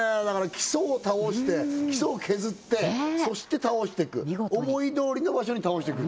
基礎を倒して基礎を削ってそして倒してく思いどおりの場所に倒してく